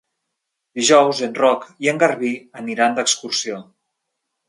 Dijous en Roc i en Garbí aniran d'excursió.